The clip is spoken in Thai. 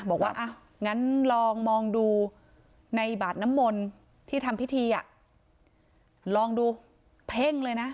บอกว่าอ่ะงั้นลองมองดูในบาดน้ำมนต์ที่ทำพิธีอ่ะลองดูเพ่งเลยนะ